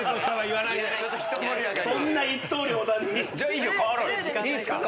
いいっすか？